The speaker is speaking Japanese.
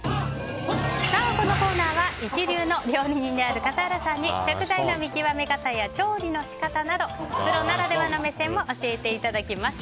このコーナーは一流の料理人である笠原さんに食材の見極め方や調理の仕方などプロならではの目線で教えていただきます。